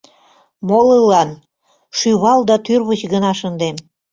Молылан шӱвал да тӱрвыч гына шындем.